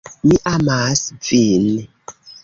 "Mi amas vin."